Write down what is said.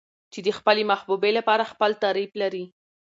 چې د خپلې محبوبې لپاره خپل تعريف لري.